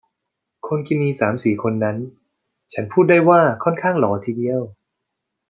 คนกินีสามสี่คนนั้น ฉันพูดได้ว่าค่อนข้างหล่อทีเดียว